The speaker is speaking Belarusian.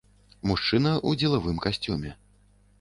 Мужчына ў дзелавым касцюме.